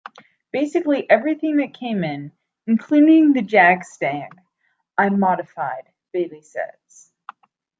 "Basically everything that came in, including the Jag-Stang, I modified," Bailey says.